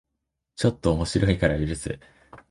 ちょっと面白いから許す